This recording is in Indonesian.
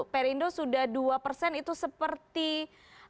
perindo sudah dua persen itu seperti